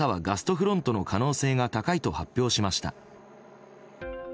フロントの可能性が高いと発表しました。